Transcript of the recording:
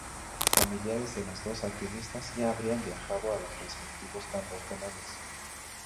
Familiares de las dos activistas ya habrían viajado a los respectivos campos penales.